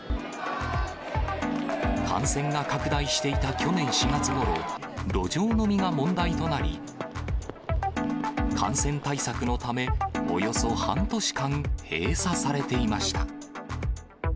感染が拡大していた去年４月ごろ、路上飲みが問題となり、感染対策のため、およそ半年間、閉鎖されていました。